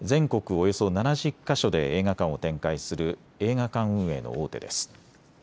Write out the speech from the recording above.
およそ７０か所で映画館を展開する映画館運営の大手です。